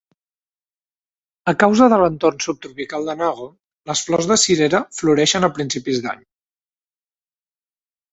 A causa de l'entorn subtropical de Nago, les flors de cirera floreixen a principis d'any.